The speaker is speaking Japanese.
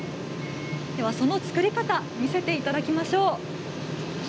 その作り方を見せていただきましょう。